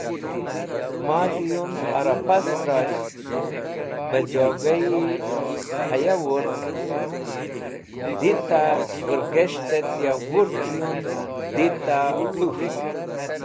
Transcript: Maz̃hi yund ara pastrazh, beh joga-e haya wurk, di ta wũrges̃t, ya wurk yund di ta pũk̃ht.